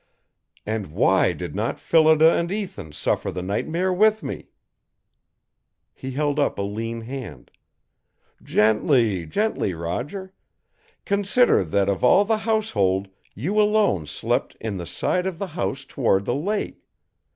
And why did not Phillida and Ethan suffer the nightmare with me?" He held up a lean hand. "Gently, gently, Roger! Consider that of all the household you alone slept in the side of the house toward the lake.